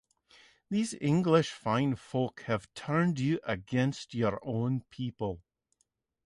These English fine folk have turned you against your own people.